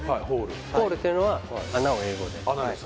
ホールというのは穴を英語で穴です